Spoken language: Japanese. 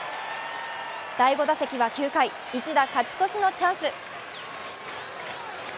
第５打席は９回、１打勝ち越しのチャンス。